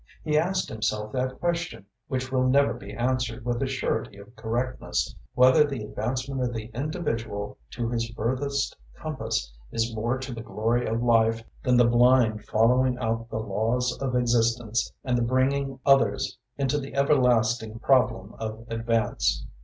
He asked himself that question which will never be answered with a surety of correctness, whether the advancement of the individual to his furthest compass is more to the glory of life than the blind following out of the laws of existence and the bringing others into the everlasting problem of advance.